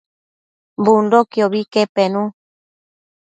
Bundoquiobi que penu